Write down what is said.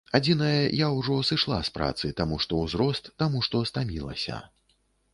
Адзінае, я ўжо сышла з працы, таму што ўзрост, таму што стамілася.